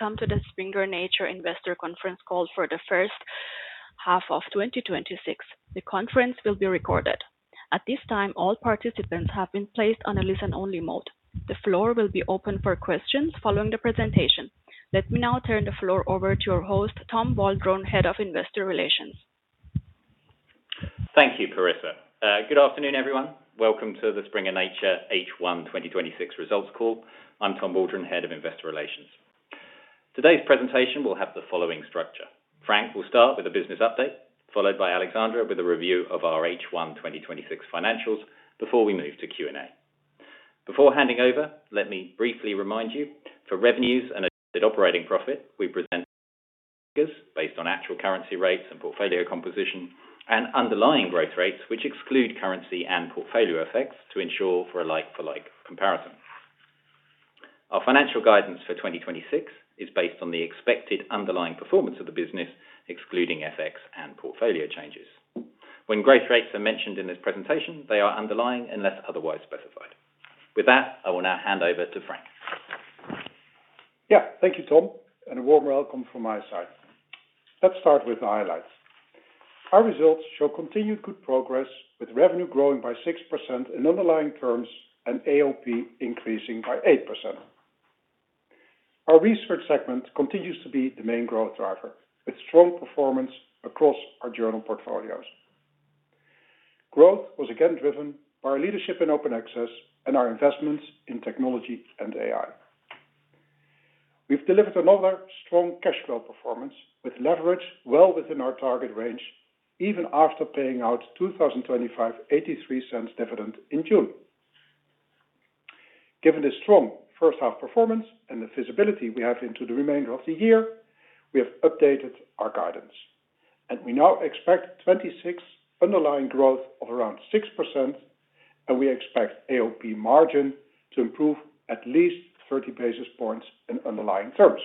Welcome to the Springer Nature Investor Conference Call for the first half of 2026. The conference will be recorded. At this time, all participants have been placed on a listen-only mode. The floor will be open for questions following the presentation. Let me now turn the floor over to your host, Tom Waldron, Head of Investor Relations. Thank you, Carissa. Good afternoon, everyone. Welcome to the Springer Nature H1 2026 Results Call. I'm Tom Waldron, Head of Investor Relations. Today's presentation will have the following structure. Frank will start with a business update, followed by Alexandra with a review of our H1 2026 financials before we move to Q&A. Before handing over, let me briefly remind you, for revenues and adjusted operating profit, we present figures based on actual currency rates and portfolio composition and underlying growth rates, which exclude currency and portfolio effects to ensure for a like-for-like comparison. Our financial guidance for 2026 is based on the expected underlying performance of the business, excluding FX and portfolio changes. When growth rates are mentioned in this presentation, they are underlying unless otherwise specified. With that, I will now hand over to Frank. Thank you, Tom, and a warm welcome from my side. Let's start with the highlights. Our results show continued good progress with revenue growing by 6% in underlying terms and AOP increasing by 8%. Our research segment continues to be the main growth driver, with strong performance across our journal portfolios. Growth was again driven by our leadership in open access and our investments in technology and AI. We've delivered another strong cash flow performance with leverage well within our target range, even after paying out 2025 EUR 0.83 dividend in June. Given the strong first-half performance and the visibility we have into the remainder of the year, we have updated our guidance, and we now expect 2026 underlying growth of around 6%, and we expect AOP margin to improve at least 30 basis points in underlying terms.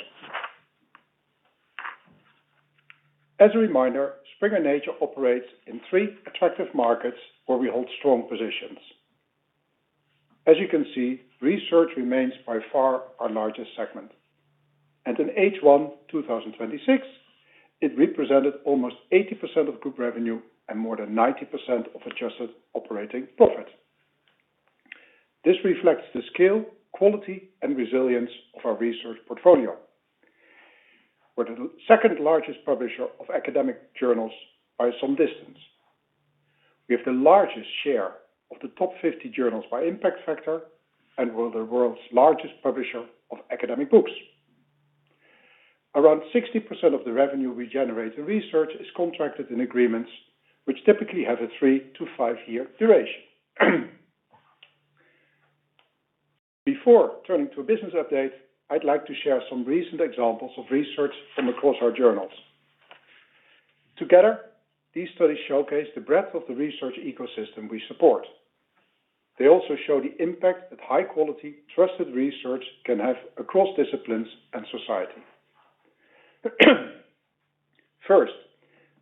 As a reminder, Springer Nature operates in three attractive markets where we hold strong positions. As you can see, Research remains by far our largest segment, and in H1 2026, it represented almost 80% of group revenue and more than 90% of adjusted operating profit. This reflects the scale, quality, and resilience of our research portfolio. We're the second-largest publisher of academic journals by some distance. We have the largest share of the top 50 journals by impact factor and we're the world's largest publisher of academic books. Around 60% of the revenue we generate in research is contracted in agreements which typically have a three- to five-year duration. Before turning to a business update, I'd like to share some recent examples of research from across our journals. Together, these studies showcase the breadth of the research ecosystem we support. They also show the impact that high-quality, trusted research can have across disciplines and society. First,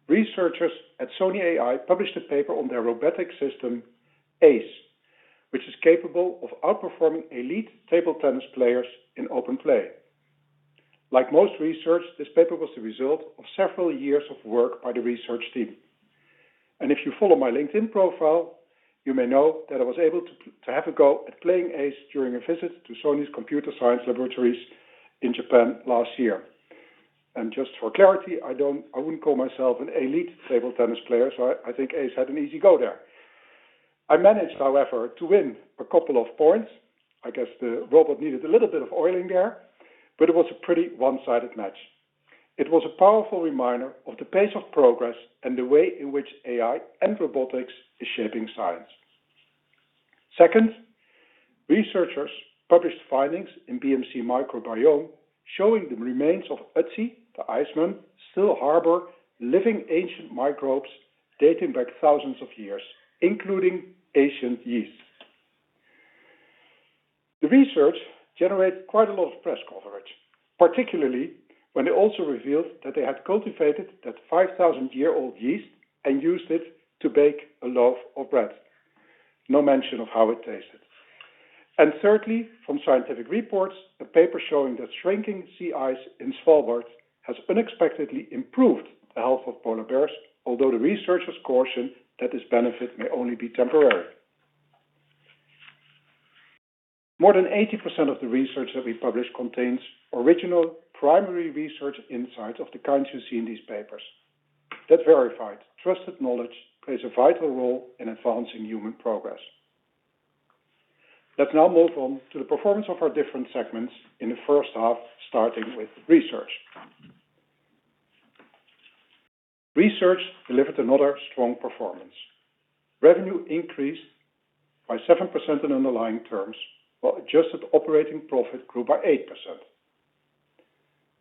researchers at Sony AI published a paper on their robotic system, Ace, which is capable of outperforming elite table tennis players in open play. Like most research, this paper was the result of several years of work by the research team. If you follow my LinkedIn profile, you may know that I was able to have a go at playing Ace during a visit to Sony's computer science laboratories in Japan last year. Just for clarity, I wouldn't call myself an elite table tennis player, so I think Ace had an easy go there. I managed, however, to win a couple of points. I guess the robot needed a little bit of oiling there, but it was a pretty one-sided match. It was a powerful reminder of the pace of progress and the way in which AI and robotics is shaping science. Second, researchers published findings in "BMC Microbiome" showing the remains of Ötzi, the Iceman, still harbor living ancient microbes dating back thousands of years, including ancient yeasts. The research generated quite a lot of press coverage, particularly when it also revealed that they had cultivated that 5,000-year-old yeast and used it to bake a loaf of bread. No mention of how it tasted. Thirdly, from Scientific Reports, a paper showing that shrinking sea ice in Svalbard has unexpectedly improved the health of polar bears, although the researchers caution that this benefit may only be temporary. More than 80% of the research that we publish contains original primary research insights of the kinds you see in these papers. That verified, trusted knowledge plays a vital role in advancing human progress. Let's now move on to the performance of our different segments in the first half, starting with research. Research delivered another strong performance. Revenue increased by 7% in underlying terms, while adjusted operating profit grew by 8%.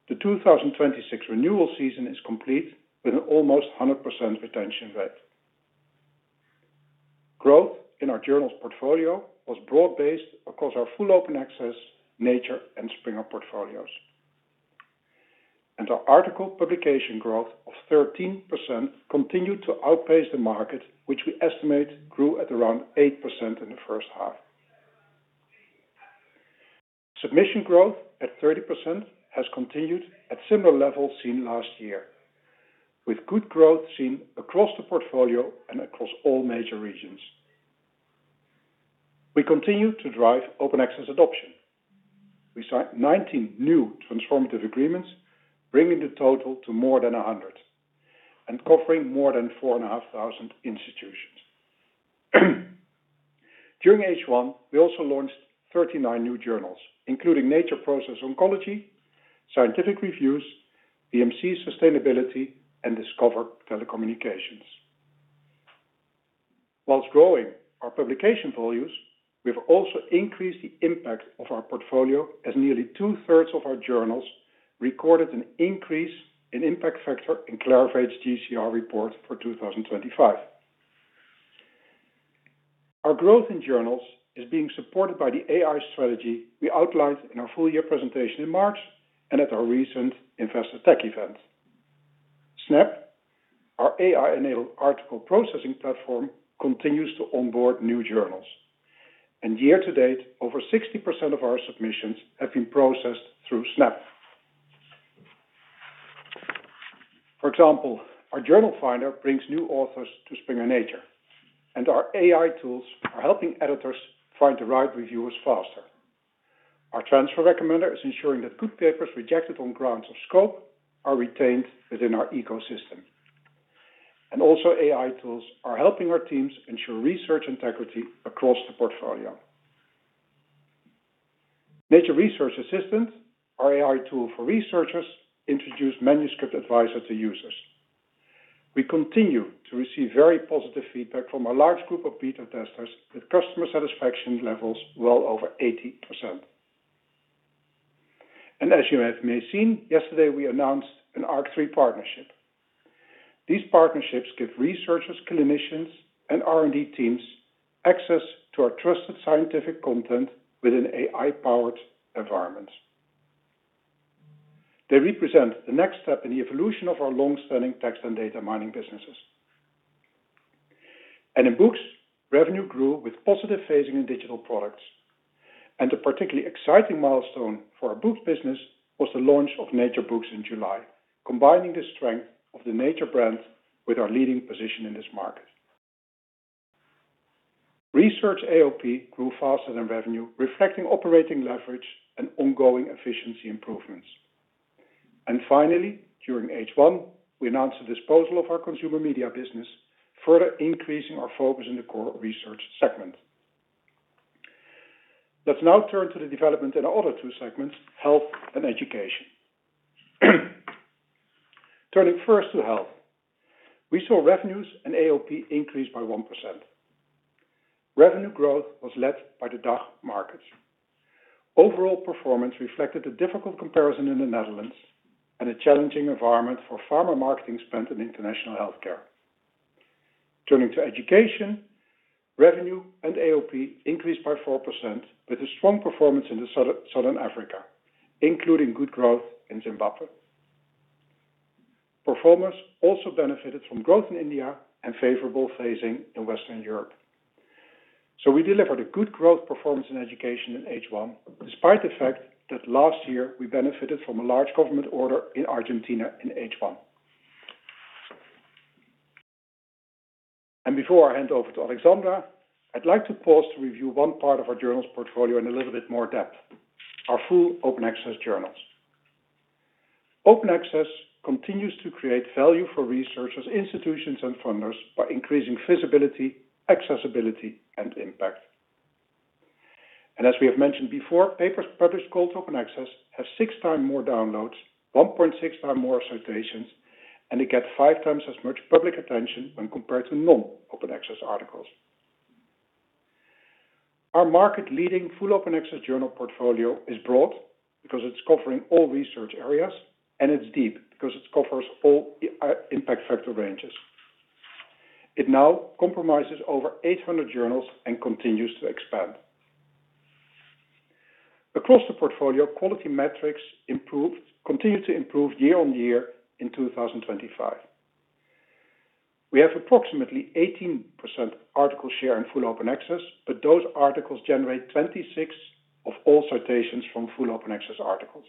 The 2026 renewal season is complete with an almost 100% retention rate. Growth in our journals portfolio was broad-based across our full open access Nature and Springer portfolios. Our article publication growth of 13% continued to outpace the market, which we estimate grew at around 8% in the first half. Submission growth at 30% has continued at similar levels seen last year, with good growth seen across the portfolio and across all major regions. We continue to drive open access adoption. We signed 19 new transformative agreements, bringing the total to more than 100 and covering more than 4,500 institutions. During H1, we also launched 39 new journals, including Nature Progress Oncology, Scientific Reviews, BMC Sustainability, and Discover Telecommunications. Whilst growing our publication volumes, we've also increased the impact of our portfolio, as nearly two-thirds of our journals recorded an increase in impact factor in Clarivate's JCR report for 2025. Our growth in journals is being supported by the AI strategy we outlined in our full-year presentation in March and at our recent Investor Tech event. SNAPP, our AI-enabled article processing platform, continues to onboard new journals. Year to date, over 60% of our submissions have been processed through SNAPP. For example, our journal finder brings new authors to Springer Nature, and our AI tools are helping editors find the right reviewers faster. Our transfer recommender is ensuring that good papers rejected on grounds of scope are retained within our ecosystem. AI tools are helping our teams ensure research integrity across the portfolio. Nature Research Assistant, our AI tool for researchers, introduced manuscript advisor to users. We continue to receive very positive feedback from a large group of beta testers with customer satisfaction levels well over 80%. As you may have seen, yesterday, we announced an ARC3 partnership. These partnerships give researchers, clinicians, and R&D teams access to our trusted scientific content within AI-powered environments. They represent the next step in the evolution of our long-standing text and data mining businesses. In books, revenue grew with positive phasing in digital products. A particularly exciting milestone for our books business was the launch of Nature Books in July, combining the strength of the Nature brand with our leading position in this market. Research AOP grew faster than revenue, reflecting operating leverage and ongoing efficiency improvements. Finally, during H1, we announced the disposal of our consumer media business, further increasing our focus in the core Research segment. Let's now turn to the development in our other two segments, Health and Education. Turning first to Health. We saw revenues and AOP increase by 1%. Revenue growth was led by the DACH markets. Overall performance reflected a difficult comparison in the Netherlands and a challenging environment for pharma marketing spend in international healthcare. Turning to Education, revenue and AOP increased by 4% with a strong performance in Southern Africa, including good growth in Zimbabwe. Performance also benefited from growth in India and favorable phasing in Western Europe. We delivered a good growth performance in education in H1, despite the fact that last year we benefited from a large government order in Argentina in H1. Before I hand over to Alexandra, I'd like to pause to review one part of our journals portfolio in a little bit more depth, our full open access journals. Open access continues to create value for researchers, institutions, and funders by increasing visibility, accessibility, and impact. As we have mentioned before, papers published called open access have 6x more downloads, 1.6x more citations, and they get 5x as much public attention when compared to non-open access articles. Our market-leading full open access journal portfolio is broad because it's covering all research areas, and it's deep because it covers all impact factor ranges. It now compromises over 800 journals and continues to expand. Across the portfolio, quality metrics continue to improve year-on-year in 2025. We have approximately 18% article share in full open access, those articles generate 26% of all citations from full open access articles.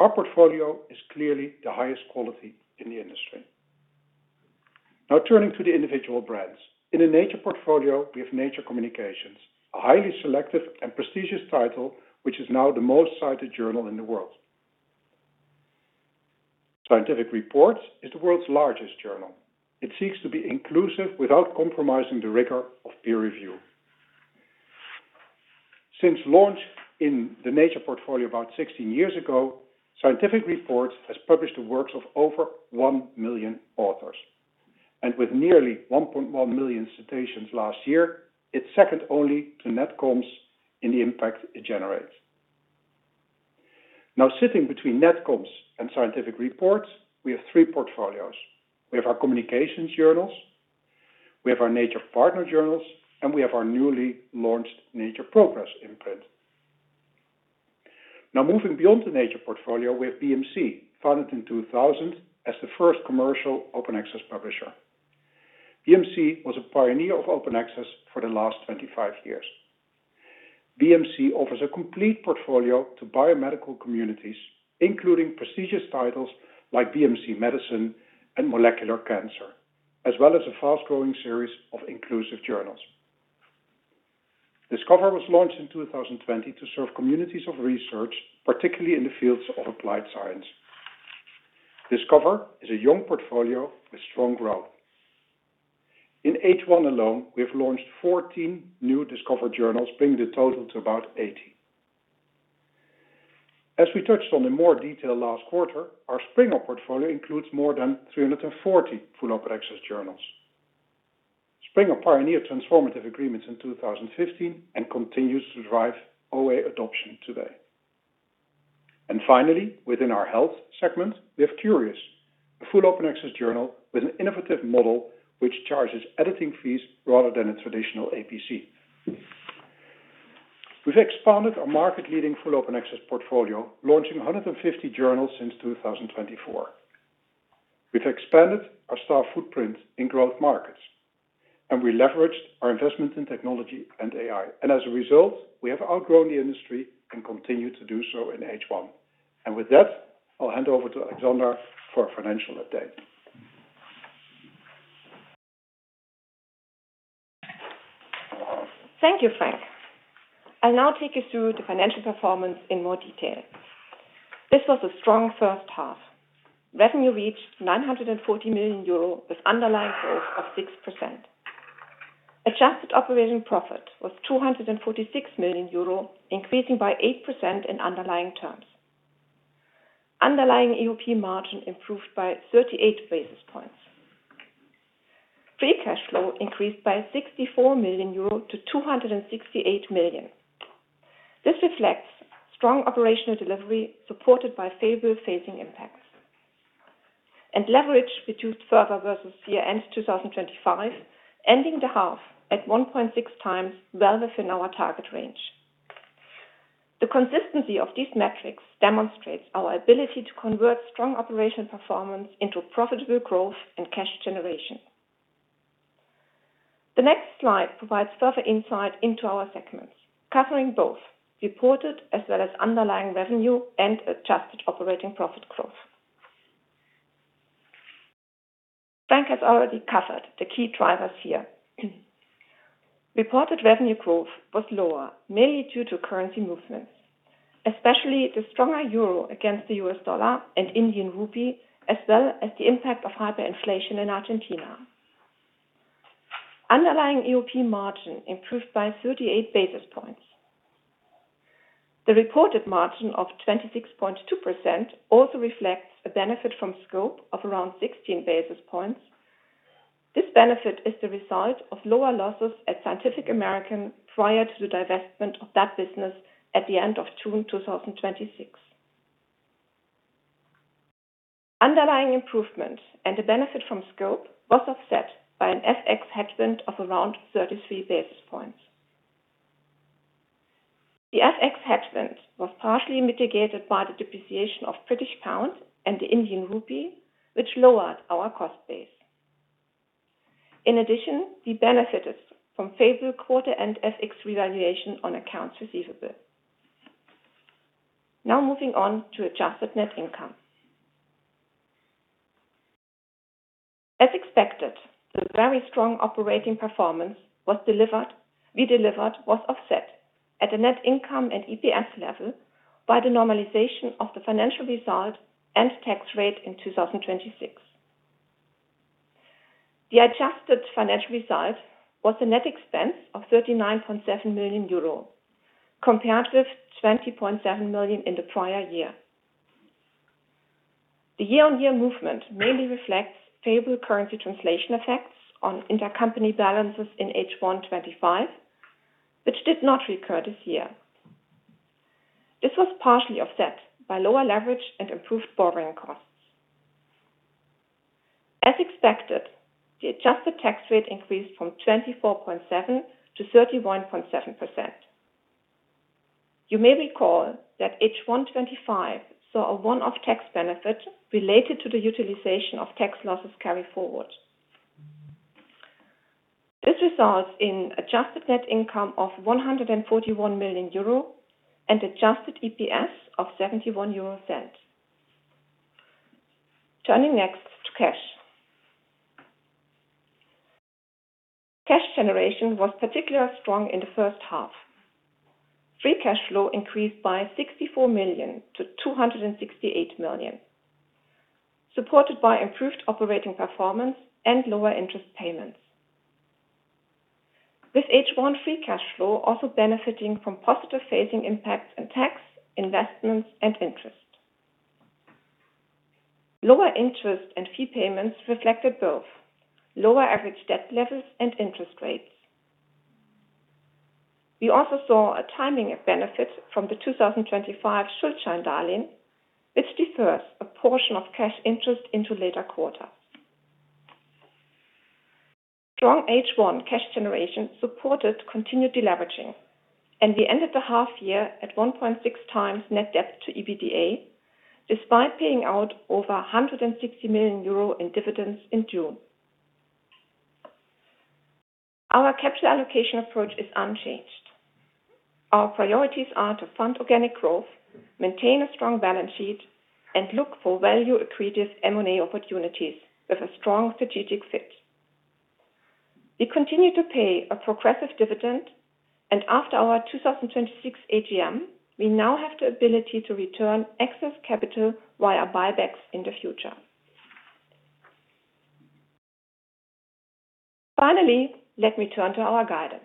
Our portfolio is clearly the highest quality in the industry. Turning to the individual brands. In the Nature portfolio, we have Nature Communications, a highly selective and prestigious title, which is now the most cited journal in the world. Scientific Reports is the world's largest journal. It seeks to be inclusive without compromising the rigor of peer review. Since launch in the Nature portfolio about 16 years ago, Scientific Reports has published the works of over 1 million authors. With nearly 1.1 million citations last year, it's second only to Nat Comms in the impact it generates. Sitting between Nat Comms and Scientific Reports, we have three portfolios. We have our communications journals. We have our Nature partner journals, and we have our newly launched Nature Progress imprint. Moving beyond the Nature portfolio, we have BMC, founded in 2000 as the first commercial open access publisher. BMC was a pioneer of open access for the last 25 years. BMC offers a complete portfolio to biomedical communities, including prestigious titles like BMC Medicine and Molecular Cancer, as well as a fast-growing series of inclusive journals. Discover was launched in 2020 to serve communities of research, particularly in the fields of applied science. Discover is a young portfolio with strong growth. In H1 alone, we have launched 14 new Discover journals, bringing the total to about 80. As we touched on in more detail last quarter, our Springer portfolio includes more than 340 full open access journals. Springer pioneered transformative agreements in 2015 and continues to drive OA adoption today. Finally, within our Health segment, we have Cureus, a full open access journal with an innovative model which charges editing fees rather than a traditional APC. We've expanded our market-leading full open access portfolio, launching 150 journals since 2024. We've expanded our star footprint in growth markets, and we leveraged our investment in technology and AI, and as a result, we have outgrown the industry and continue to do so in H1. With that, I'll hand over to Alexandra for a financial update. Thank you, Frank. I'll now take you through the financial performance in more detail. This was a strong first half. Revenue reached 940 million euro, with underlying growth of 6%. Adjusted operating profit was 246 million euro, increasing by 8% in underlying terms. Underlying AOP margin improved by 38 basis points. Free cash flow increased by 64 million euro to 268 million. This reflects strong operational delivery supported by favorable phasing impacts. Leverage reduced further versus year-end 2025, ending the half at 1.6x, well within our target range. The consistency of these metrics demonstrates our ability to convert strong operational performance into profitable growth and cash generation. The next slide provides further insight into our segments, covering both reported as well as underlying revenue and adjusted operating profit growth. Frank has already covered the key drivers here. Reported revenue growth was lower, mainly due to currency movements, especially the stronger euro against the U.S. dollar and Indian rupee, as well as the impact of hyperinflation in Argentina. Underlying AOP margin improved by 38 basis points. The reported margin of 26.2% also reflects a benefit from scope of around 16 basis points. This benefit is the result of lower losses at Scientific American prior to the divestment of that business at the end of June 2026. Underlying improvement and the benefit from scope was offset by an FX headwind of around 33 basis points. The FX headwind was partially mitigated by the depreciation of British pound and the Indian rupee, which lowered our cost base. In addition, we benefited from favorable quarter and FX revaluation on accounts receivable. Now moving on to adjusted net income. As expected, the very strong operating performance we delivered was offset at the net income and EPS level by the normalization of the financial result and tax rate in 2026. The adjusted financial result was a net expense of 39.7 million euro compared with 20.7 million in the prior year. The year-on-year movement mainly reflects favorable currency translation effects on intercompany balances in H1 2025, which did not recur this year. This was partially offset by lower leverage and improved borrowing costs. As expected, the adjusted tax rate increased from 24.7% to 31.7%. You may recall that H1 2025 saw a one-off tax benefit related to the utilization of tax losses carry forward. This results in adjusted net income of 141 million euro and adjusted EPS of 0.71. Turning next to cash. Cash generation was particularly strong in the first half. Free cash flow increased by 64 million to 268 million, supported by improved operating performance and lower interest payments, with H1 free cash flow also benefiting from positive phasing impacts and tax, investments, and interest. Lower interest and fee payments reflected both lower average debt levels and interest rates. We also saw a timing of benefits from the 2025 Schuldscheindarlehen, which defers a portion of cash interest into later quarters. Strong H1 cash generation supported continued deleveraging, and we ended the half year at 1.6 times net debt to EBITDA, despite paying out over 160 million euro in dividends in June. Our capital allocation approach is unchanged. Our priorities are to fund organic growth, maintain a strong balance sheet, and look for value accretive M&A opportunities with a strong strategic fit. We continue to pay a progressive dividend, and after our 2026 AGM, we now have the ability to return excess capital via buybacks in the future. Finally, let me turn to our guidance.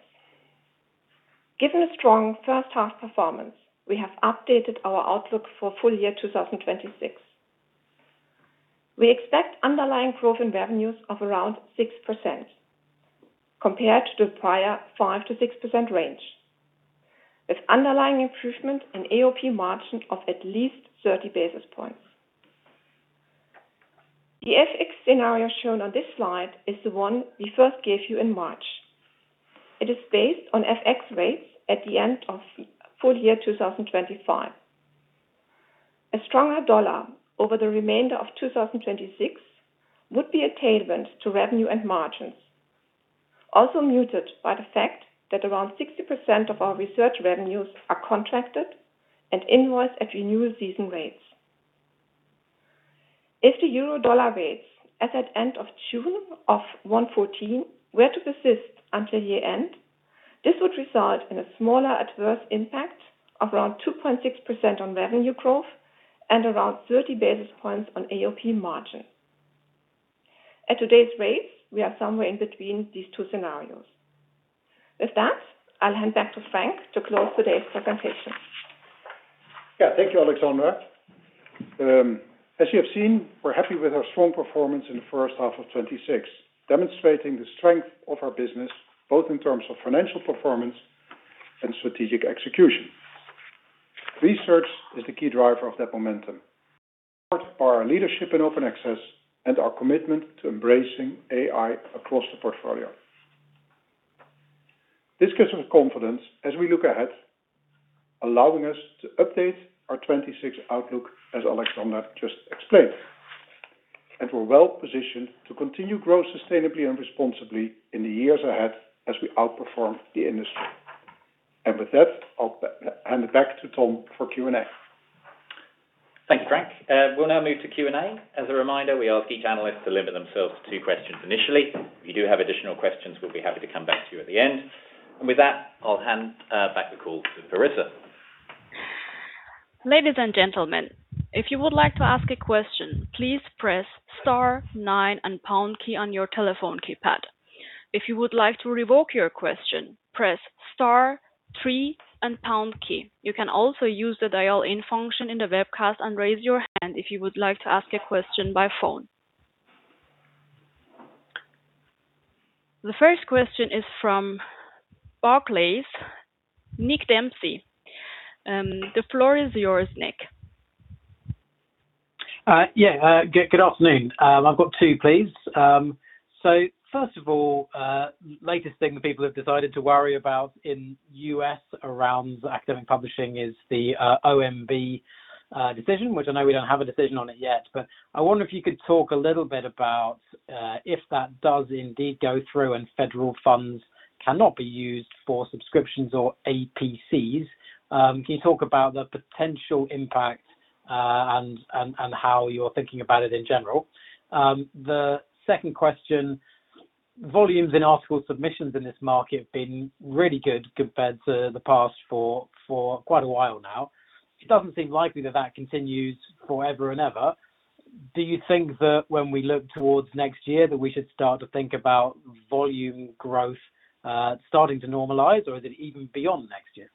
Given the strong first half performance, we have updated our outlook for full year 2026. We expect underlying growth in revenues of around 6%, compared to the prior 5%-6% range, with underlying improvement in AOP margin of at least 30 basis points. The FX scenario shown on this slide is the one we first gave you in March. It is based on FX rates at the end of full year 2025. A stronger dollar over the remainder of 2026 would be a tailwind to revenue and margins, also muted by the fact that around 60% of our research revenues are contracted and invoiced at renewal season rates. If the euro dollar rates, as at end of June of 114, were to persist until year-end, this would result in a smaller adverse impact of around 2.6% on revenue growth and around 30 basis points on AOP margin. At today's rates, we are somewhere in between these two scenarios. With that, I'll hand back to Frank to close today's presentation. Thank you, Alexandra. As you have seen, we're happy with our strong performance in the first half of 2026, demonstrating the strength of our business, both in terms of financial performance and strategic execution. Research is the key driver of that momentum. Part by our leadership in open access and our commitment to embracing AI across the portfolio. This gives us confidence as we look ahead, allowing us to update our 2026 outlook, as Alexandra just explained. We're well-positioned to continue growing sustainably and responsibly in the years ahead as we outperform the industry. With that, I'll hand it back to Tom for Q&A. Thank you, Frank. We'll now move to Q&A. As a reminder, we ask each analyst to limit themselves to two questions initially. If you do have additional questions, we'll be happy to come back to you at the end. With that, I'll hand back the call to Carissa. Ladies and gentlemen, if you would like to ask a question, please press star nine and pound key on your telephone keypad. If you would like to revoke your question, press star three and pound key. You can also use the dial-in function in the webcast and raise your hand if you would like to ask a question by phone. The first question is from Barclays, Nick Dempsey. The floor is yours, Nick. Good afternoon. I've got two, please. First of all, latest thing that people have decided to worry about in U.S. around academic publishing is the OMB decision, which I know we don't have a decision on it yet. I wonder if you could talk a little bit about, if that does indeed go through and federal funds cannot be used for subscriptions or APCs, can you talk about the potential impact, and how you're thinking about it in general? The second question, volumes in article submissions in this market have been really good compared to the past for quite a while now. It doesn't seem likely that that continues forever and ever. Do you think that when we look towards next year that we should start to think about volume growth starting to normalize, or is it even beyond next year?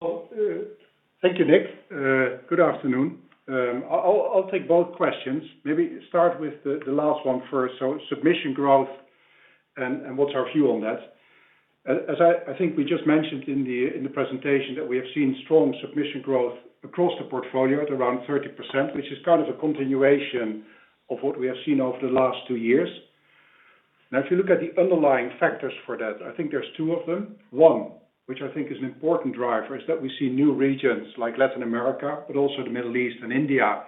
Well, thank you, Nick. Good afternoon. I'll take both questions, maybe start with the last one first. Submission growth and what's our view on that. As I think we just mentioned in the presentation, that we have seen strong submission growth across the portfolio at around 30%, which is kind of the continuation of what we have seen over the last two years. If you look at the underlying factors for that, I think there's two of them. One, which I think is an important driver, is that we see new regions like Latin America, but also the Middle East and India,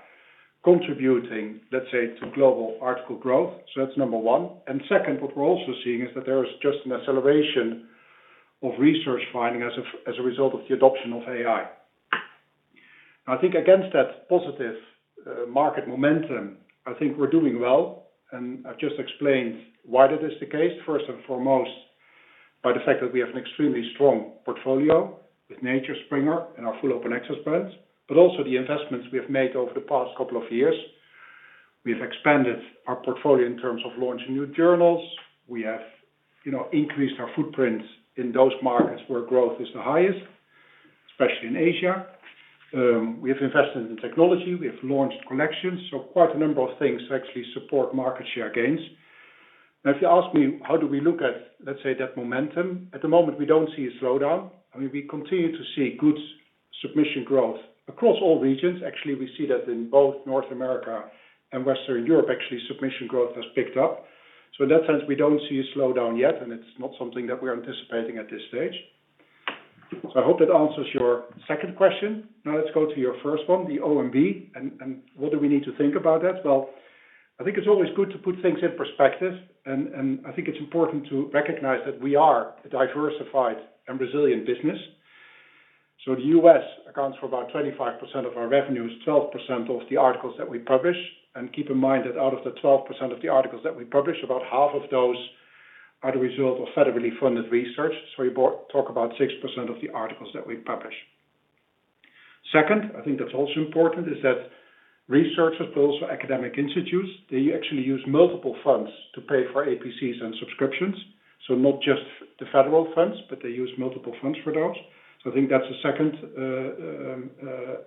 contributing, let's say, to global article growth. That's number one. Second, what we're also seeing is that there is just an acceleration of research finding as a result of the adoption of AI. Against that positive market momentum, I think we're doing well, and I've just explained why that is the case. First and foremost, by the fact that we have an extremely strong portfolio with Nature, Springer, and our full open access brands, but also the investments we have made over the past couple of years. We have expanded our portfolio in terms of launching new journals. We have increased our footprint in those markets where growth is the highest. Especially in Asia. We have invested in technology, we have launched collections, so quite a number of things to actually support market share gains. If you ask me, how do we look at, let's say that momentum? At the moment, we don't see a slowdown. We continue to see good submission growth across all regions. Actually, we see that in both North America and Western Europe, actually, submission growth has picked up. In that sense, we don't see a slowdown yet, and it's not something that we're anticipating at this stage. I hope that answers your second question. Let's go to your first one, the OMB, and what do we need to think about that? Well, I think it's always good to put things in perspective, and I think it's important to recognize that we are a diversified and resilient business. The U.S. accounts for about 25% of our revenues, 12% of the articles that we publish. Keep in mind that out of the 12% of the articles that we publish, about half of those are the result of federally funded research. We talk about 6% of the articles that we publish. Second, I think that's also important, is that researchers, those are academic institutes, they actually use multiple funds to pay for APCs and subscriptions. Not just the federal funds, but they use multiple funds for those. I think that's the second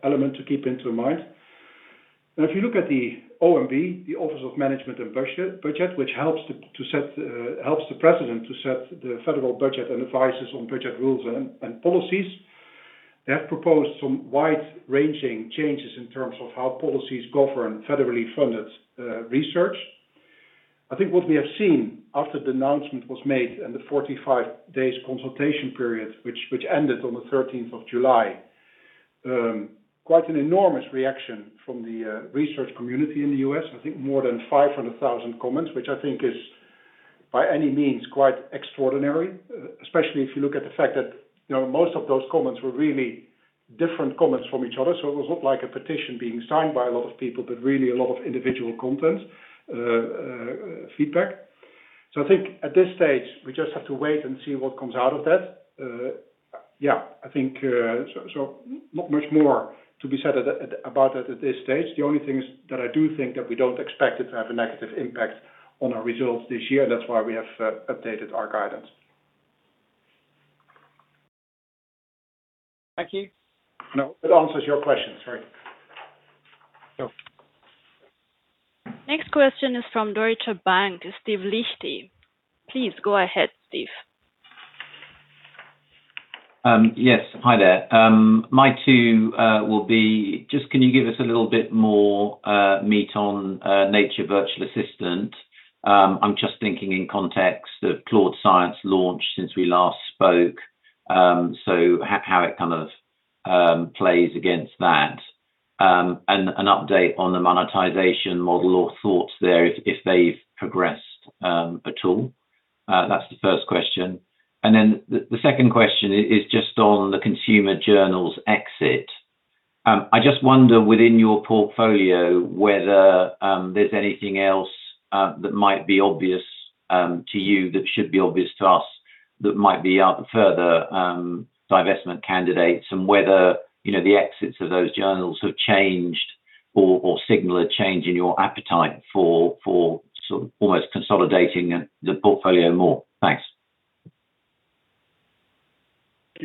element to keep into mind. If you look at the OMB, the Office of Management and Budget, which helps the president to set the federal budget and advises on budget rules and policies, they have proposed some wide-ranging changes in terms of how policies govern federally funded research. What we have seen after the announcement was made and the 45 days consultation period, which ended on the 13th of July, quite an enormous reaction from the research community in the U.S. I think more than 500,000 comments, which I think is by any means quite extraordinary, especially if you look at the fact that most of those comments were really different comments from each other. It was not like a petition being signed by a lot of people, but really a lot of individual content feedback. I think at this stage, we just have to wait and see what comes out of that. I think not much more to be said about that at this stage. The only thing is that I do think that we don't expect it to have a negative impact on our results this year. That's why we have updated our guidance. Thank you. I hope that answers your questions. Sorry. Sure. Next question is from Deutsche Bank, Steve Liechti. Please go ahead, Steve. Yes. Hi there. My two will be, can you give us a little bit more meat on Nature Research Assistant? I'm thinking in context of Claude Science launch since we last spoke, how it kind of plays against that. An update on the monetization model or thoughts there if they've progressed at all. That's the first question. The second question is on the consumer journals exit. I wonder within your portfolio whether there's anything else that might be obvious to you that should be obvious to us that might be further divestment candidates and whether the exits of those journals have changed or signal a change in your appetite for sort of almost consolidating the portfolio more. Thanks. Thank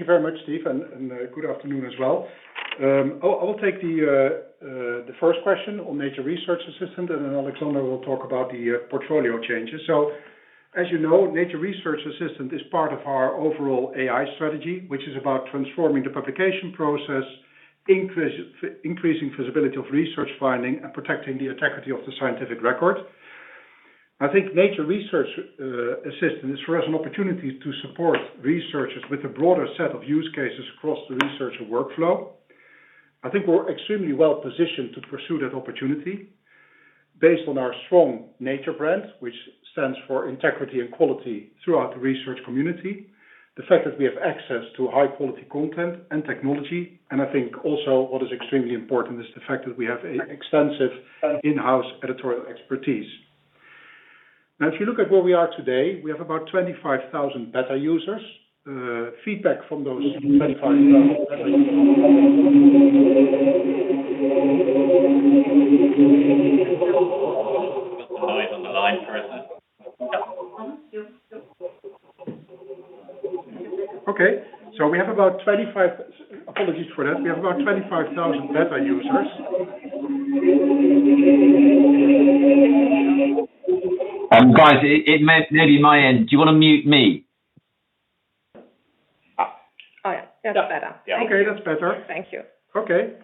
you very much, Steve, and good afternoon as well. I'll take the first question on Nature Research Assistant. Alexandra will talk about the portfolio changes. As you know, Nature Research Assistant is part of our overall AI strategy, which is about transforming the publication process, increasing visibility of research finding and protecting the integrity of the scientific record. I think Nature Research Assistant is for us an opportunity to support researchers with a broader set of use cases across the researcher workflow. I think we're extremely well-positioned to pursue that opportunity based on our strong Nature brand, which stands for integrity and quality throughout the research community. The fact that we have access to high-quality content and technology, and I think also what is extremely important is the fact that we have extensive in-house editorial expertise. Now, if you look at where we are today, we have about 25,000 beta users. There's a noise on the line, Carissa. Yes. Okay. Apologies for that. We have about 25,000 beta users. Guys, it might be from my end. Do you want to mute me? Oh, yeah. That's better. Okay. That's better. Thank you. Okay.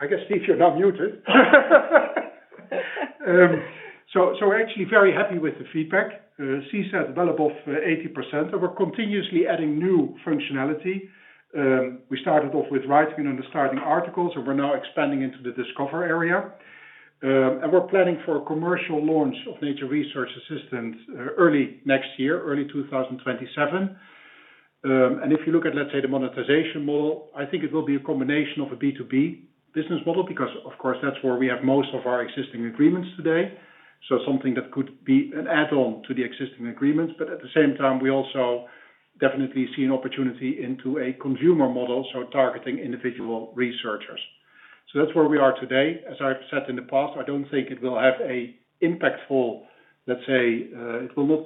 I guess Steve, you're now muted. We're actually very happy with the feedback. CSAT well above 80%, we're continuously adding new functionality. We started off with writing and the starting articles, we're now expanding into the Discover area. We're planning for a commercial launch of Nature Research Assistant early next year, early 2027. If you look at, let's say, the monetization model, I think it will be a combination of a B2B business model because, of course, that's where we have most of our existing agreements today. Something that could be an add-on to the existing agreements. At the same time, we also definitely see an opportunity into a consumer model, so targeting individual researchers. That's where we are today. As I've said in the past, I don't think it will not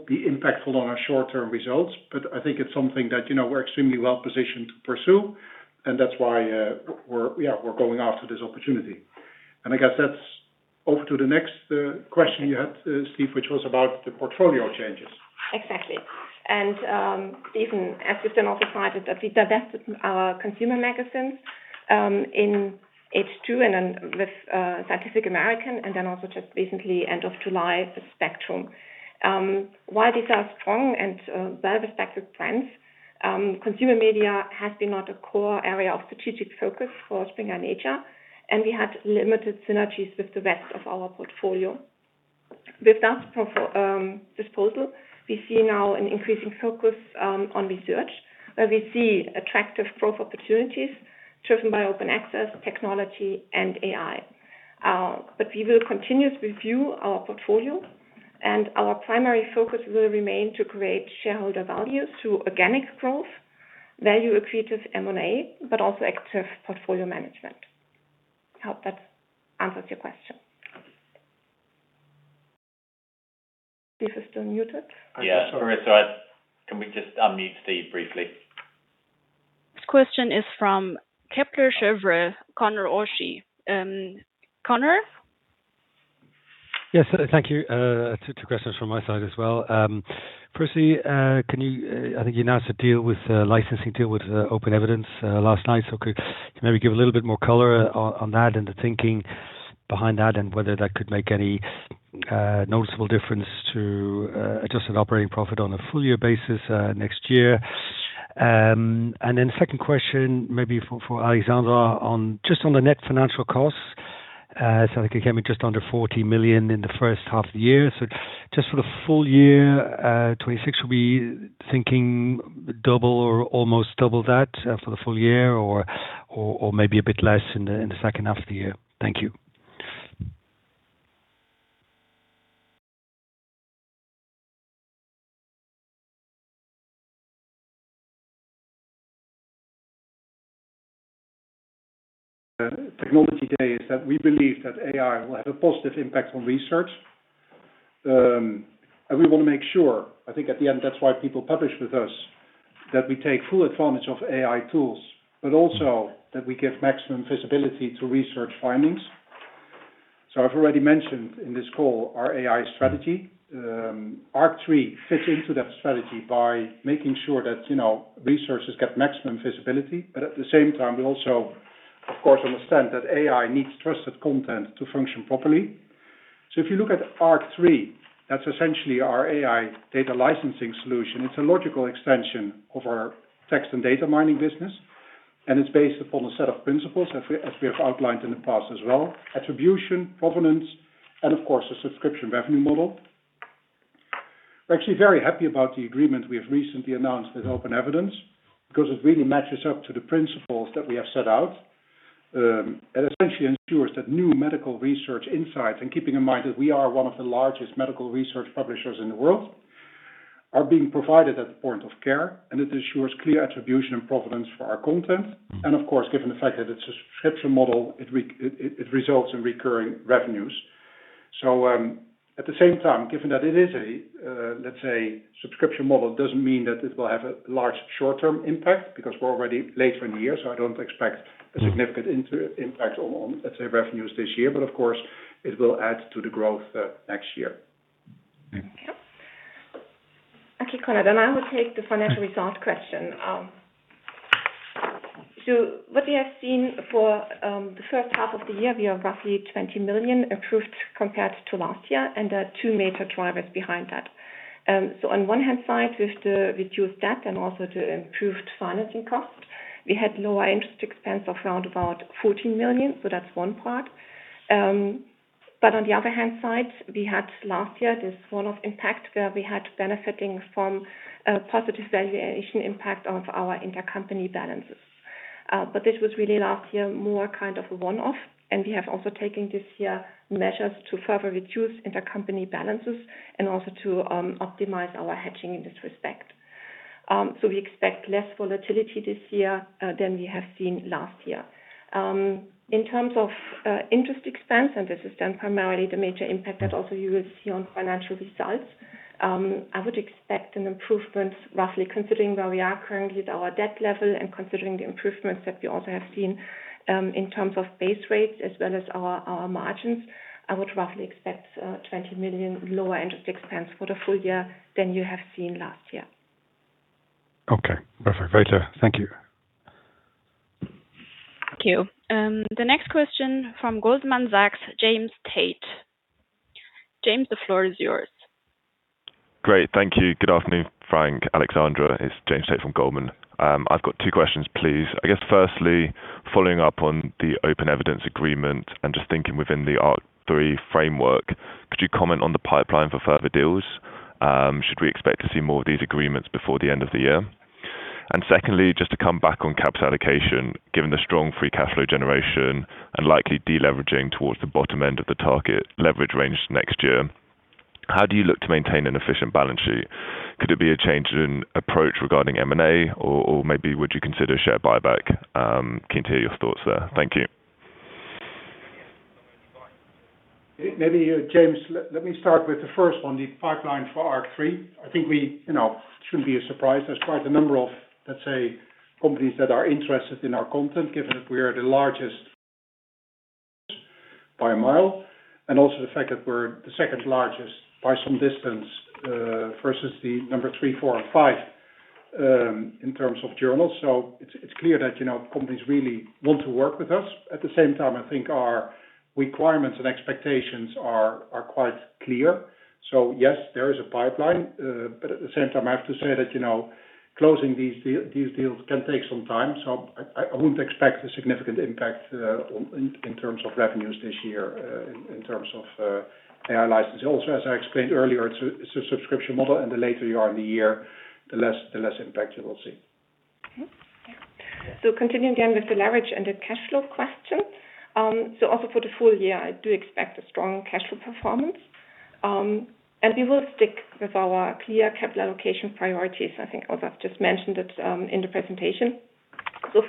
be impactful on our short-term results, but I think it's something that we're extremely well-positioned to pursue, and that's why we're going after this opportunity. I guess that's over to the next question you had, Steve, which was about the portfolio changes. Exactly. Stephen, as you've then also cited, that we divested our consumer magazines in H2 and then with Scientific American, and then also just recently, end of July, the Spektrum. While these are strong and well-respected brands, consumer media has been not a core area of strategic focus for Springer Nature, and we had limited synergies with the rest of our portfolio. With that disposal, we see now an increasing focus on research, where we see attractive growth opportunities driven by open access, technology, and AI. We will continuously review our portfolio and our primary focus will remain to create shareholder value through organic growth, value accretive M&A, but also active portfolio management. I hope that answers your question. Steve is still muted. Yeah. Carissa, can we just unmute Steve briefly? This question is from Kepler Cheuvreux, Conor O'Shea. Conor? Yes, thank you. Two questions from my side as well. Firstly, I think you announced a licensing deal with OpenEvidence last night. Could you maybe give a little bit more color on that and the thinking behind that, and whether that could make any noticeable difference to adjusted operating profit on a full-year basis next year? Then second question maybe for Alexandra on just on the net financial costs. I think it came in just under 40 million in the first half of the year. Just for the full year 2026, we'll be thinking double or almost double that for the full year or maybe a bit less in the second half of the year. Thank you. Technology today is that we believe that AI will have a positive impact on research. We want to make sure, I think at the end that's why people publish with us, that we take full advantage of AI tools, but also that we give maximum visibility to research findings. I've already mentioned in this call our AI strategy. ARC3 fits into that strategy by making sure that researchers get maximum visibility. At the same time, we also, of course, understand that AI needs trusted content to function properly. If you look at ARC3, that's essentially our AI data licensing solution. It's a logical extension of our text and data mining business, and it's based upon a set of principles as we have outlined in the past as well. Attribution, provenance, and of course, a subscription revenue model. We're actually very happy about the agreement we have recently announced with OpenEvidence because it really matches up to the principles that we have set out. It essentially ensures that new medical research insights, and keeping in mind that we are one of the largest medical research publishers in the world, are being provided at the point of care, and it ensures clear attribution and provenance for our content. Of course, given the fact that it's a subscription model, it results in recurring revenues. At the same time, given that it is a, let's say, subscription model, doesn't mean that it will have a large short-term impact because we're already later in the year, I don't expect a significant impact on, let's say, revenues this year. Of course, it will add to the growth next year. Okay, Conor, I will take the financial results question. What we have seen for the first half of the year, we have roughly 20 million approved compared to last year, and there are two major drivers behind that. On one hand side, with the reduced debt and also the improved financing cost, we had lower interest expense of round about 14 million, that's one part. On the other hand side, we had last year this one-off impact where we had benefiting from a positive valuation impact of our intercompany balances. This was really last year more kind of a one-off, and we have also taken this year measures to further reduce intercompany balances and also to optimize our hedging in this respect. We expect less volatility this year than we have seen last year. In terms of interest expense, this is then primarily the major impact that also you will see on financial results, I would expect an improvement roughly considering where we are currently with our debt level and considering the improvements that we also have seen in terms of base rates as well as our margins. I would roughly expect 20 million lower interest expense for the full year than you have seen last year. Okay, perfect. Thank you. Thank you. The next question from Goldman Sachs, James Tate. James, the floor is yours. Great. Thank you. Good afternoon, Frank, Alexandra. It's James Tate from Goldman. I've got two questions, please. Firstly, following up on the OpenEvidence agreement and just thinking within the ARC3 framework, could you comment on the pipeline for further deals? Should we expect to see more of these agreements before the end of the year? Secondly, just to come back on capital allocation, given the strong free cash flow generation and likely de-leveraging towards the bottom end of the target leverage range next year. How do you look to maintain an efficient balance sheet? Could there be a change in approach regarding M&A, or maybe would you consider a share buyback? Keen to hear your thoughts there. Thank you. Maybe, James, let me start with the first one, the pipeline for ARC3. I think it shouldn't be a surprise. There's quite a number of, let's say, companies that are interested in our content, given that we are the largest by a mile, and also the fact that we're the second largest by some distance, versus the number three, four, and five, in terms of journals. It's clear that companies really want to work with us. At the same time, I think our requirements and expectations are quite clear. Yes, there is a pipeline, but at the same time, I have to say that closing these deals can take some time. I wouldn't expect a significant impact in terms of revenues this year, in terms of AI license. As I explained earlier, it's a subscription model, and the later you are in the year, the less impact you will see. Okay. Continuing again with the leverage and the cash flow question. Also for the full year, I do expect a strong cash flow performance. We will stick with our clear capital allocation priorities. I think Olaf just mentioned it in the presentation.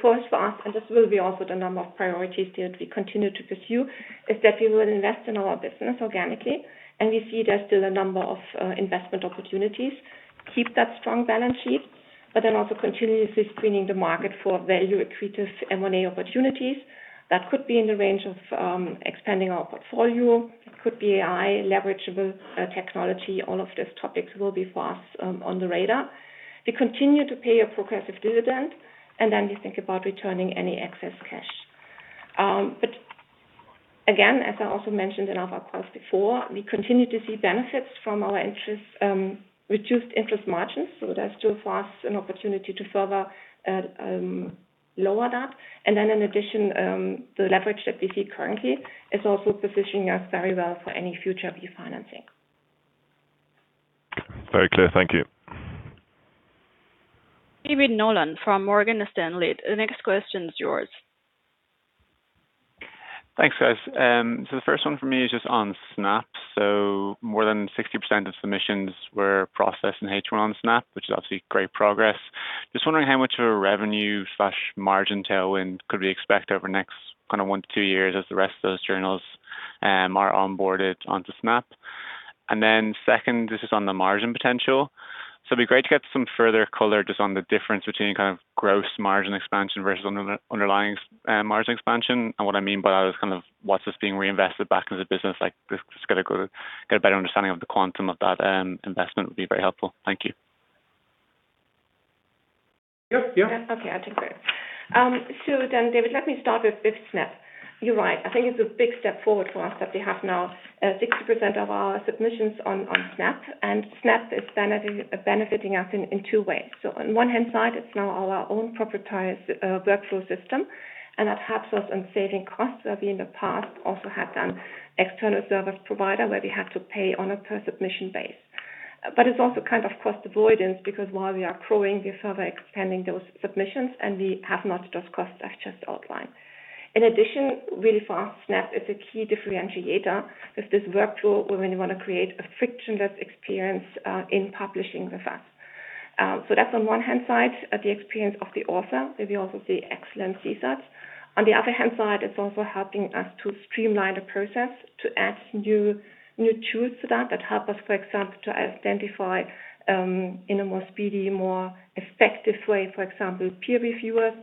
First for us, and this will be also the number of priorities still we continue to pursue, is that we will invest in our business organically, and we see there's still a number of investment opportunities. Keep that strong balance sheet, but then also continuously screening the market for value accretive M&A opportunities. That could be in the range of expanding our portfolio, could be AI, leverageable technology. All of these topics will be for us on the radar. We continue to pay a progressive dividend. Then we think about returning any excess cash. Again, as I also mentioned in other calls before, we continue to see benefits from our reduced interest margins. That's still for us an opportunity to further lower that. In addition, the leverage that we see currently is also positioning us very well for any future refinancing. Very clear. Thank you. David Nolan from Morgan Stanley. The next question is yours. Thanks, guys. The first one for me is just on SNAPP. More than 60% of submissions were processed in H1 on SNAPP, which is obviously great progress. Just wondering how much of a revenue/margin tailwind could we expect over the next one to two years as the rest of those journals are onboarded onto SNAPP. Second, this is on the margin potential. It'd be great to get some further color just on the difference between gross margin expansion versus underlying margin expansion, and what I mean by that is what's just being reinvested back into the business. Just get a better understanding of the quantum of that investment would be very helpful. Thank you. Yep. Okay. I take both. David, let me start with SNAPP. You're right. I think it's a big step forward for us that we have now 60% of our submissions on SNAPP, and SNAPP is benefiting us in two ways. On one hand side, it's now our own proprietary workflow system, and that helps us in saving costs, where we in the past also had an external service provider where we had to pay on a per submission base. It's also cost avoidance, because while we are growing, we're further expanding those submissions, and we have not those costs I've just outlined. In addition, really for us, SNAPP is a key differentiator with this work tool where we want to create a frictionless experience in publishing with us. That's on one hand side, the experience of the author, where we also see excellent CSAT. On the other hand side, it's also helping us to streamline the process to add new tools to that help us, for example, to identify in a more speedy, more effective way, for example, peer reviewers.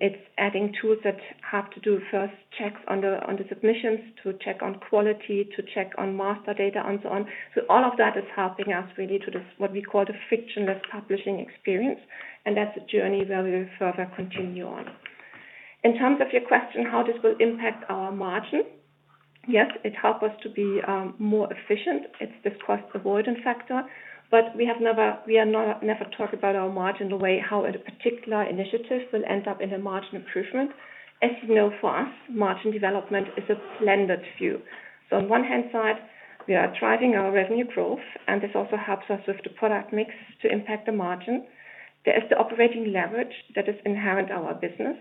It's adding tools that have to do first checks on the submissions to check on quality, to check on master data and so on. All of that is helping us really to what we call the frictionless publishing experience. That's a journey where we will further continue on. In terms of your question, how this will impact our margin. Yes, it help us to be more efficient. It's this cost avoidance factor. We never talk about our margin the way how a particular initiative will end up in a margin improvement. As you know, for us, margin development is a blended view. On one hand side, we are driving our revenue growth, and this also helps us with the product mix to impact the margin. There is the operating leverage that is inherent our business.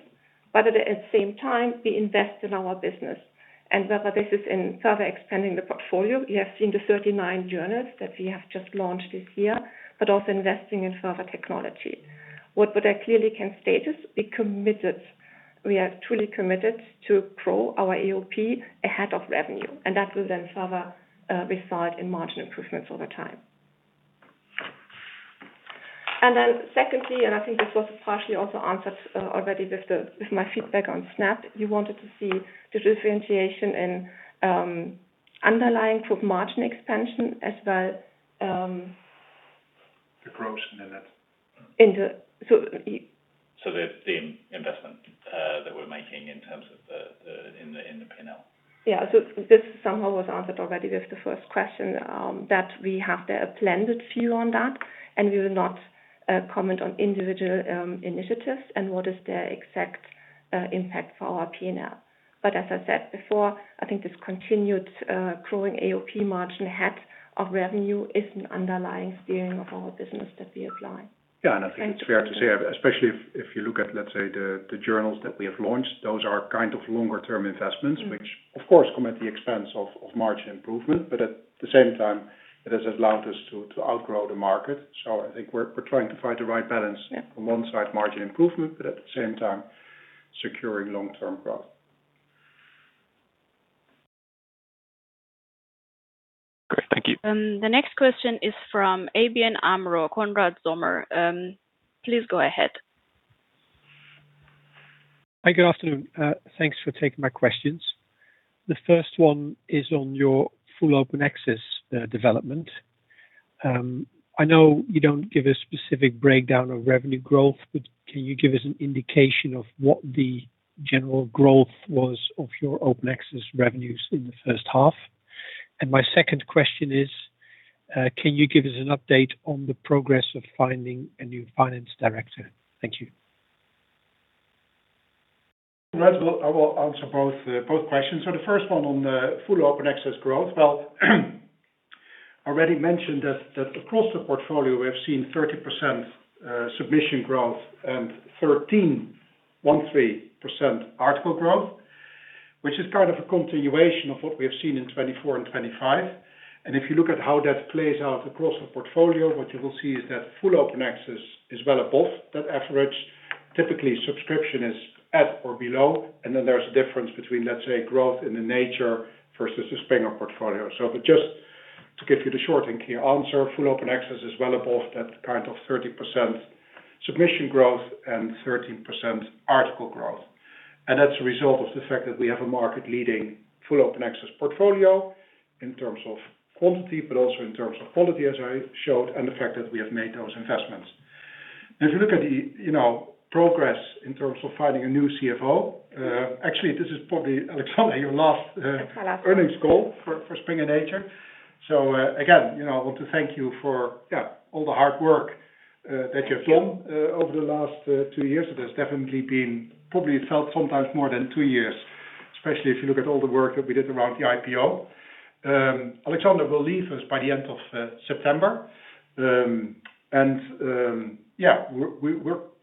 At the same time, we invest in our business, and whether this is in further expanding the portfolio, we have seen the 39 journals that we have just launched this year, but also investing in further technology. What I clearly can state is we are truly committed to grow our AOP ahead of revenue, and that will then further result in margin improvements over time. Secondly, and I think this was partially also answered already with my feedback on SNAPP. You wanted to see the differentiation in underlying group margin expansion as well- The growth in it. In the- The investment that we're making in terms of in the P&L. Yeah. This somehow was answered already with the first question, that we have a blended view on that, and we will not comment on individual initiatives and what is their exact impact for our P&L. As I said before, I think this continued growing AOP margin ahead of revenue is an underlying steering of our business that we apply. I think it's fair to say, especially if you look at, let's say, the journals that we have launched, those are kind of longer term investments, which of course come at the expense of margin improvement. At the same time, it has allowed us to outgrow the market. I think we're trying to find the right balance. Yeah. On one side, margin improvement, at the same time, securing long-term growth. Great. Thank you. The next question is from ABN AMRO, Konrad Zomer. Please go ahead. Hi. Good afternoon. Thanks for taking my questions. The first one is on your full open access development. I know you don't give a specific breakdown of revenue growth, but can you give us an indication of what the general growth was of your open access revenues in the first half? My second question is, can you give us an update on the progress of finding a new finance director? Thank you. Konrad, I will answer both questions. The first one on the full open access growth. Well, already mentioned that across the portfolio, we have seen 30% submission growth and 13% article growth, which is kind of a continuation of what we have seen in 2024 and 2025. If you look at how that plays out across the portfolio, what you will see is that full open access is well above that average. Typically, subscription is at or below, and then there's a difference between, let's say, growth in the Nature versus the Springer portfolio. Just to give you the short and key answer, full open access is well above that kind of 30% submission growth and 13% article growth. That's a result of the fact that we have a market-leading full open access portfolio in terms of quantity, but also in terms of quality, as I showed, and the fact that we have made those investments. If you look at the progress in terms of finding a new CFO, actually, this is probably, Alexandra, your last- It's my last one earnings call for Springer Nature. Again, I want to thank you for all the hard work that you've done over the last two years. It has definitely been probably felt sometimes more than two years, especially if you look at all the work that we did around the IPO. Alexandra will leave us by the end of September. We're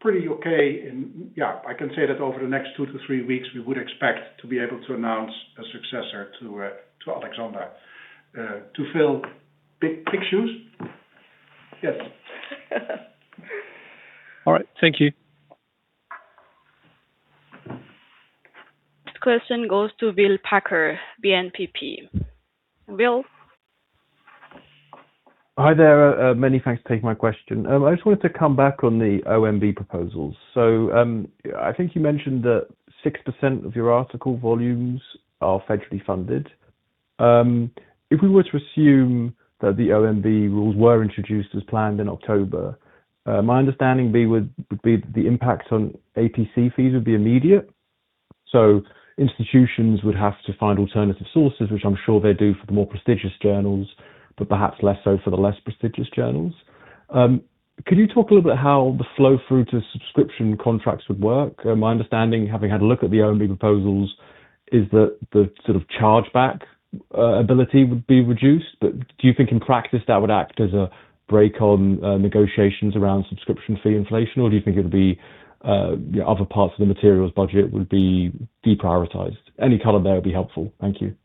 pretty okay in, I can say that over the next two to three weeks, we would expect to be able to announce a successor to Alexandra to fill big shoes. Yes. All right. Thank you. This question goes to Will Packer, BNPP. Will? Hi there. Many thanks for taking my question. I just wanted to come back on the OMB proposals. I think you mentioned that 6% of your article volumes are federally funded. If we were to assume that the OMB rules were introduced as planned in October, my understanding would be the impact on APC fees would be immediate. Institutions would have to find alternative sources, which I'm sure they do for the more prestigious journals, but perhaps less so for the less prestigious journals. Could you talk a little bit how the flow through to subscription contracts would work? My understanding, having had a look at the OMB proposals, is that the sort of chargeback ability would be reduced. Do you think in practice that would act as a brake on negotiations around subscription fee inflation, or do you think other parts of the materials budget would be deprioritized? Any color there would be helpful. Thank you.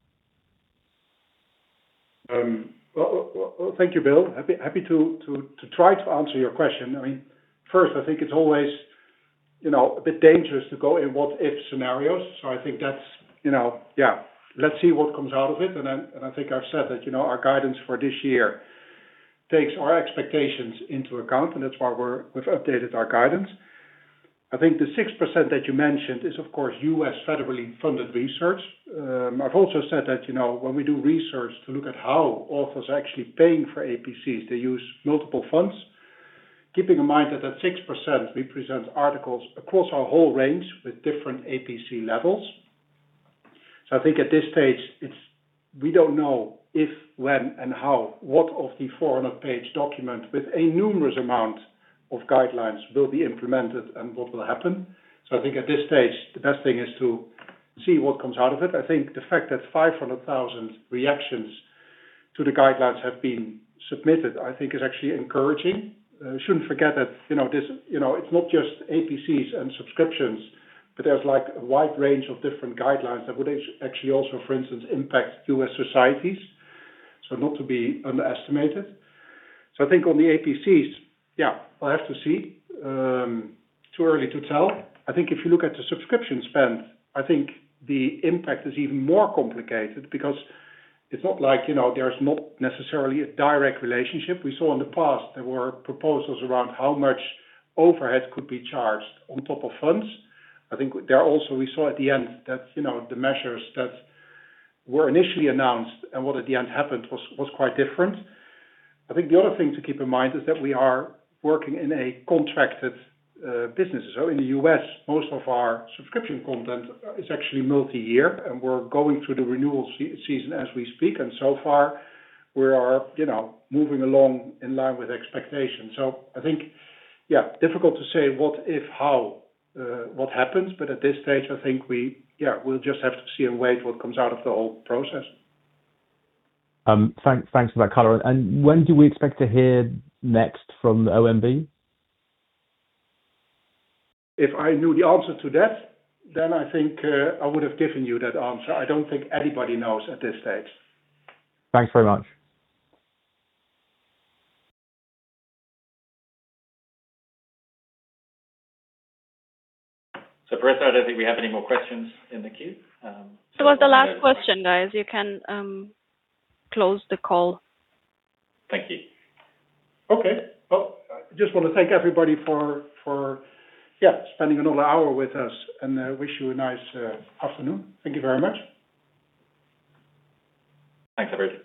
Thank you, Will. Happy to try to answer your question. First, I think it's always a bit dangerous to go in what-if scenarios. I think let's see what comes out of it, and I think I've said that our guidance for this year takes our expectations into account, and that's why we've updated our guidance. I think the 6% that you mentioned is, of course, U.S. federally funded research. I've also said that when we do research to look at how authors are actually paying for APCs, they use multiple funds. Keeping in mind that that 6% represents articles across our whole range with different APC levels. I think at this stage, we don't know if, when, and how, what of the 400-page document with a numerous amount of guidelines will be implemented and what will happen. I think at this stage, the best thing is to see what comes out of it. I think the fact that 500,000 reactions to the guidelines have been submitted, I think is actually encouraging. Shouldn't forget that it's not just APCs and subscriptions, but there's a wide range of different guidelines that would actually also, for instance, impact U.S. societies. Not to be underestimated. I think on the APCs, I have to see. Too early to tell. I think if you look at the subscription spend, I think the impact is even more complicated because it's not like there's not necessarily a direct relationship. We saw in the past there were proposals around how much overhead could be charged on top of funds. I think there also we saw at the end that the measures that were initially announced and what at the end happened was quite different. I think the other thing to keep in mind is that we are working in a contracted business. In the U.S., most of our subscription content is actually multi-year, and we're going through the renewal season as we speak, and so far we are moving along in line with expectations. I think, difficult to say what if, how, what happens, but at this stage, I think we'll just have to see and wait what comes out of the whole process. Thanks for that color. When do we expect to hear next from the OMB? If I knew the answer to that, then I think I would have given you that answer. I don't think anybody knows at this stage. Thanks very much. Carissa, I don't think we have any more questions in the queue. That was the last question, guys. You can close the call. Thank you. Okay. Well, I just want to thank everybody for spending another hour with us, and I wish you a nice afternoon. Thank you very much. Thanks, everybody.